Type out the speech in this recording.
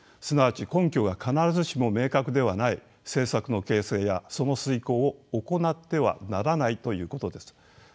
すなわち根拠が必ずしも明確ではない政策の形成やその遂行を行ってはならないということです。